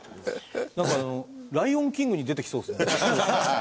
『ライオン・キング』に出てきそうですね。